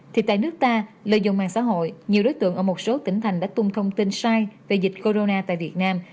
thì tại nước ta lợi dụng mạng xã hội nhiều đối tượng ở một số tỉnh thành đã tung thông tin sai về dịch corona tại việt nam